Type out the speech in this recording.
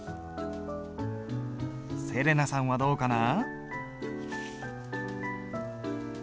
せれなさんはどうかな？